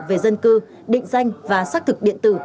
về dân cư định danh và xác thực điện tử